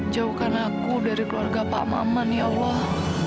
jauhkan aku dari keluarga pak maman ya allah